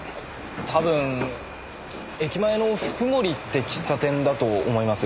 多分駅前のフクモリって喫茶店だと思います。